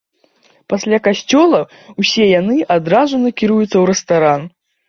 Пасля касцёла усе яны адразу накіруюцца ў рэстаран.